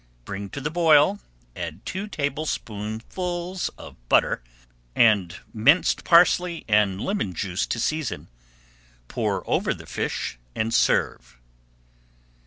Bring to the boil, add two tablespoonfuls of butter, and minced parsley and lemon juice to season. Pour over the fish and serve.